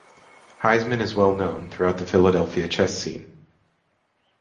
Heisman is well known throughout the Philadelphia chess scene.